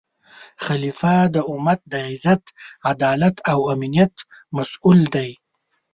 خلیفه د امت د عزت، عدالت او امنیت مسؤل دی